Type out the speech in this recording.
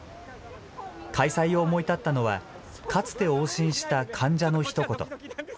開催を思い立ったのは、かつて往診した患者のひと言。